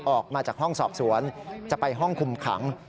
ออกมาจากห้องสอบสวนจะไปห้องคุมขัง